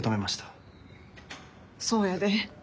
そうやで。